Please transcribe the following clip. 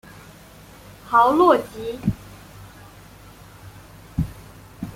豪洛吉。